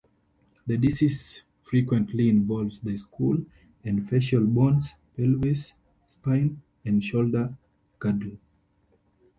The disease frequently involves the skull and facial bones, pelvis, spine and shoulder girdle.